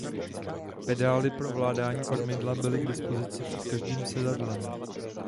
Pedály pro ovládání kormidla byly k dispozici před každým sedadlem.